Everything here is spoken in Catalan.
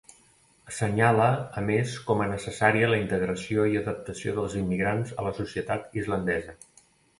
Assenyala a més com necessària la integració i adaptació dels immigrants a la societat islandesa.